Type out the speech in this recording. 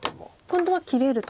今度は切れると。